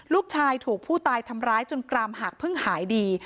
ลูกชายถูกผู้ตายทำร้ายจนกรามหักเพิ่งหายดี